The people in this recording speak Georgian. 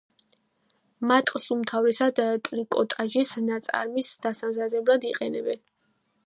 მატყლს უმთავრესად ტრიკოტაჟის ნაწარმის დასამზადებლად იყენებენ.